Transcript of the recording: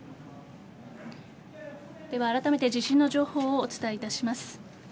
では、あらためて地震の情報をお伝えいたします。